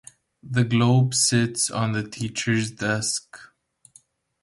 The globe sits on the teacher's desk.